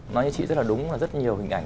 nói cho chị rất là đúng là rất nhiều hình ảnh